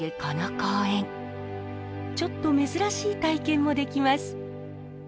ちょっと珍しい体験もできます。